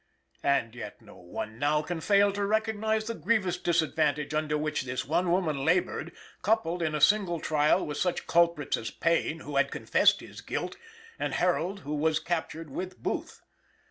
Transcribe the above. And yet no one now can fail to recognize the grievous disadvantage under which this one woman labored, coupled in a single trial with such culprits as Payne who confessed his guilt, and Herold who was captured with Booth.